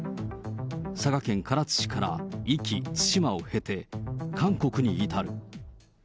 佐賀県唐津市から壱岐、対馬を経て、韓国に至る。